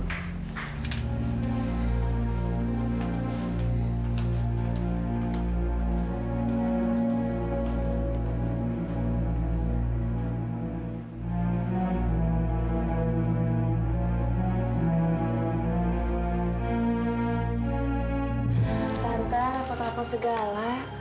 tante negara terbesar